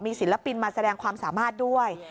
ศิลปินมาแสดงความสามารถด้วย